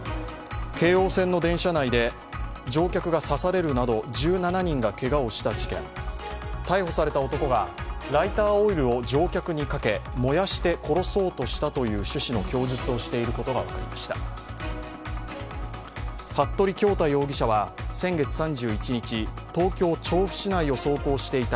京王線の電車内で乗客が刺されるなど１７人がけがをした事件逮捕された男がライターオイルを乗客にかけ、燃やして殺そうとしたという趣旨の供述をしていることが分かりました。